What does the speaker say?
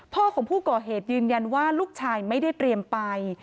พ่อของผู้ก่อเหตุยืนยันว่าลูกชายไม่ได้เตรียมไป